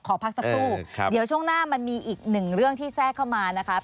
ขอพักสักครู่เดี๋ยวช่วงหน้ามันมีอีกหนึ่งเรื่องที่แทรกเข้ามานะครับ